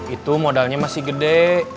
itu modalnya masih gede